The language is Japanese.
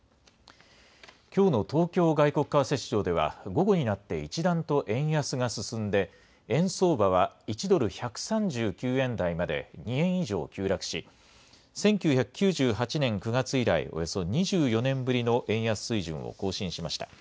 きょうの東京外国為替市場では、午後になって一段と円安が進んで、円相場は１ドル１３９円台まで２円以上急落し、１９９８年９月以来、およそ２４年ぶりの円安水準を更新しました。